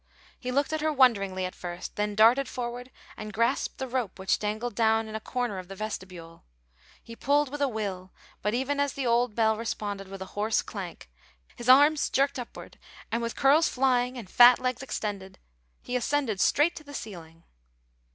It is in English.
He looked at her wonderingly at first, then darted forward and grasped the rope which dangled down in a corner of the vestibule. He pulled with a will, but even as the old bell responded with a hoarse clank, his arms jerked upward, and with curls flying and fat legs extended he ascended straight to the ceiling.